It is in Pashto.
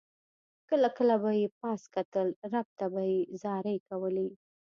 کله کله به یې پاس کتل رب ته به یې زارۍ کولې.